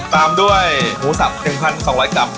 ตามด้วยหมูสับ๑๒๐๐กรัม